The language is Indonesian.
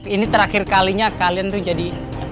ini terakhir kalinya kalian tuh jadi